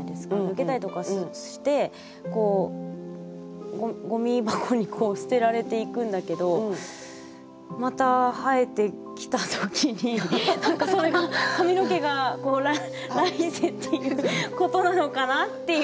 抜けたりとかしてこうごみ箱に捨てられていくんだけどまた生えてきた時に何かそれが髪の毛が来世っていうことなのかな？っていう。